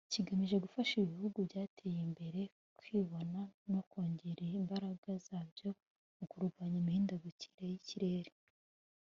kigamije gufasha ibihugu byateye imbere kwibona no kongera imbaraga zabyo mu kurwanya imihindagurikire y’ikirere